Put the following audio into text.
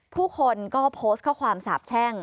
ผู้คนก็โพสต์ข้อความสาบแช่ง